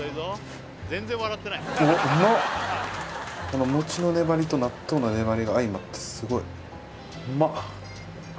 この餅の粘りと納豆の粘りが相まってすごいうまっ！